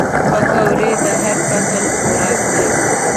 پکورې د هر فصل خوراک دي